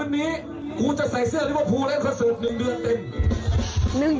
คืนนี้กูจะใส่เสื้อเรื้อพูเล่นคอนเสิร์ต๑เดือนเต็ม